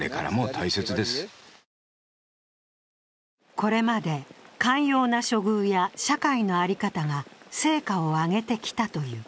これまで寛容な処遇や社会の在り方が成果を上げてきたという。